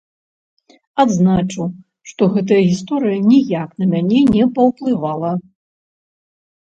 Адзначу, што гэтая гісторыя ніяк на мяне не паўплывала.